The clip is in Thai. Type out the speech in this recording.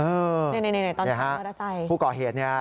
เออนี่ตอนที่มอเตอร์ไซค์นะครับผู้ก่อเหตุเนี่ย